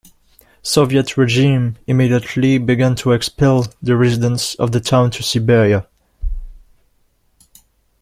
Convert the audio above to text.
Soviet regime immediately began to expel the residents of the town to Siberia.